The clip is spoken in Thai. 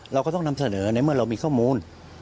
เราก็ต้องนำเสนอในเมื่อเรามีข้อมูล